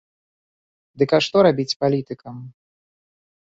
Дык а што рабіць палітыкам?